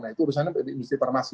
nah itu urusan dari industri parmasi